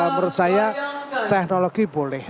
menurut saya teknologi boleh